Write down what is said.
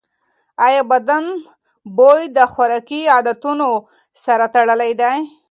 ایا بدن بوی د خوراکي عادتونو سره تړلی دی؟